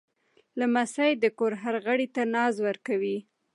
لمسی د کور هر غړي ته ناز ورکوي.